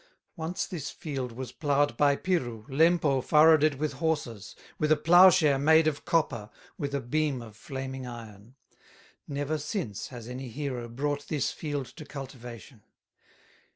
Once this field was plowed by Piru, Lempo furrowed it with horses, With a plowshare made of copper, With a beam of flaming iron; Never since has any hero Brought this field to cultivation."